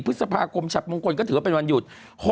พฤษภาคมฉับมงคลก็ถือว่าเป็นวันหยุด